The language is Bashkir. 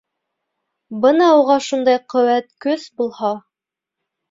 Бына уға шундай ҡеүәт көс булһа!